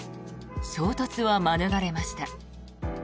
衝突は免れました。